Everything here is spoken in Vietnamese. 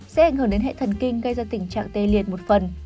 sẽ ảnh hưởng đến hệ thần kinh gây ra tình trạng tê liệt một phần